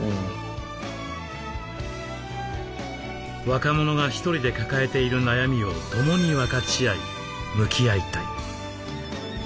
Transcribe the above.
若者が１人で抱えている悩みを共に分かち合い向き合いたい。